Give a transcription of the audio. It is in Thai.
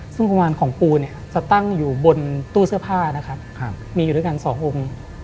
ซึ่งกุมารของปูจะตั้งอยู่บนตู้เสื้อผ้ามีอยู่ด้วยกัน๒อม